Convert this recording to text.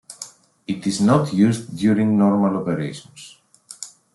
It is not used during normal operations.